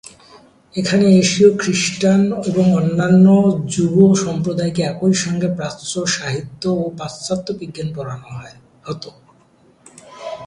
এখানে এশীয় খ্রিষ্টান এবং অন্যান্য যুব সম্প্রদায়কে একই সঙ্গে প্রাচ্য সাহিত্য ও পাশ্চাত্য বিজ্ঞান পড়ানো হতো।